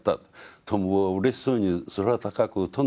トンボはうれしそうに空高く飛んでった。